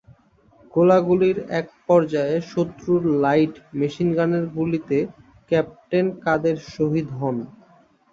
গোলাগুলির এক পর্যায়ে শত্রুর লাইট মেশিনগানের গুলিতে ক্যাপ্টেন কাদের শহীদ হন।